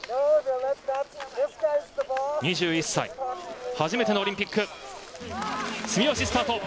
２１歳初めてのオリンピック。